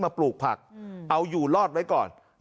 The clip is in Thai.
ปลูกผักเอาอยู่รอดไว้ก่อน